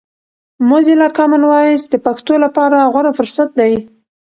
موزیلا کامن وایس د پښتو لپاره غوره فرصت دی.